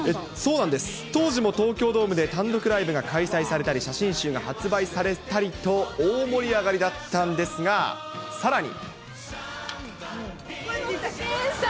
当時も東京ドームで単独ライブが開催されたり、写真集が発売されたりと、大盛り上がりだったんですが、さらに。